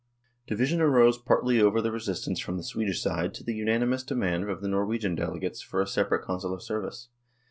Division arose partly over the resistance from the Swedish side to the unanimous demand of the Norwegian delegates for a separate Consular service.